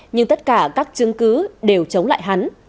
nhưng tất cả các chứng cứ đều chống lại hắn